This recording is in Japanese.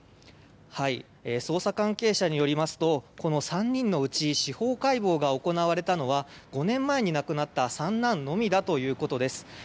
捜査関係者によりますとこの３人のうち司法解剖が行われたのは５年前に亡くなった三男のみだということです。